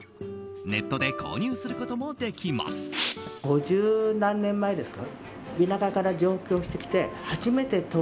ネットで購入することもできます。